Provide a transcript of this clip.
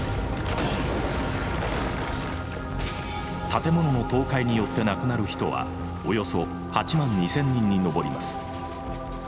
建物の倒壊によって亡くなる人はおよそ８万２，０００人に上ります。